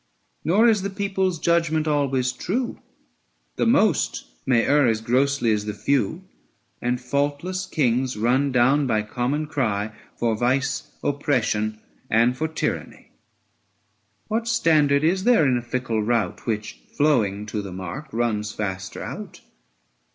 780 Nor is the people's judgment always true : ABSALOM AND ACHITOPHEL. 109 The most may err as grossly as the few, And faultless kings run down by common cry For vice, oppression, and for tyranny. What standard is there in a fickle rout, 785 Which, flowing to the mark, runs faster out?